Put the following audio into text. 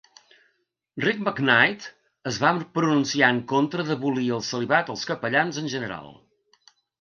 Rick McKnight es va pronunciar en contra d'abolir el celibat als capellans en general.